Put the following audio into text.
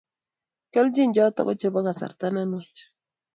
keljin chuto ko Chebo kasarta ne nwach